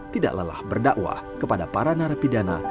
tidak lelah berdakwah kepada para narapidana